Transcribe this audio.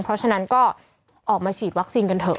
เพราะฉะนั้นก็ออกมาฉีดวัคซีนกันเถอะ